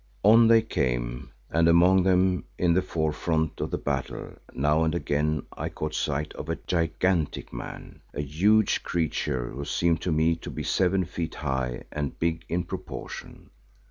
On they came, and among them in the forefront of the battle, now and again I caught sight of a gigantic man, a huge creature who seemed to me to be seven feet high and big in proportion.